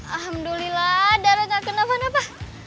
alhamdulillah dara gak kena apa apa